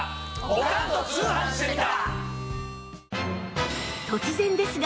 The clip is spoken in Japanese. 『おかんと通販してみた！』。